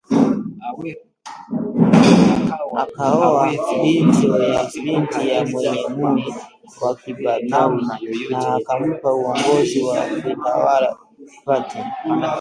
akaoa binti ya Mwenye Mui wa Kibatawi na akampa uongozi wa kuitawala Pate